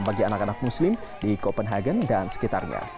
bagi anak anak muslim di copenhagen dan sekitarnya